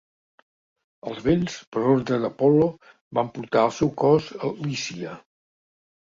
Els vents, per ordre d'Apol·lo, van portar el seu cos a Lícia.